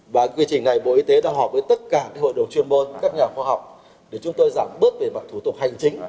và quy trình này bộ y tế đang họp với tất cả hội đồng chuyên môn các nhà khoa học để chúng tôi giảm bước về mặt thủ tục hành chính